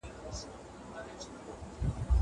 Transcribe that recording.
زه اوس اوبه پاکوم.